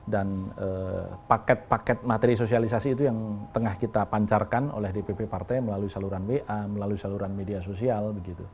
dan paket paket materi sosialisasi itu yang tengah kita pancarkan oleh dpp partai melalui saluran wa melalui saluran media sosial